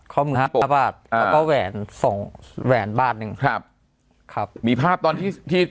ข้อมือหักห้าบาทแล้วก็แหวนสองแหวนบาทหนึ่งครับครับมีภาพตอนที่ที่